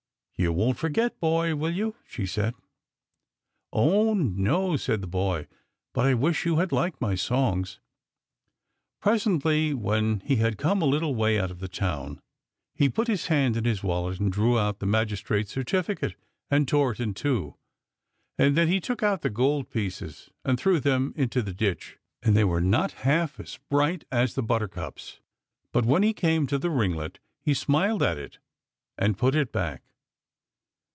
" You won't forget, boy, will you ?" she said. " Oh, no," said the boy ;" but I wish you had liked rny songs." Presently, when he had come a little way out of the town, he put his hand in his wallet and drew out the magistrate's certificate and tore it in two ; and then he took out the gold pieces and threw them into the ditch, and they were not half as bright as the buttercups. But when he came to the ringlet he smiled at it and put it back.